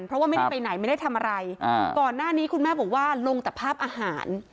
เพราะว่าไม่ได้ไปไหนไม่ได้ทำอะไรก่อนหน้านี้คุณแม่บอกว่าลงแต่ภาพอาหาร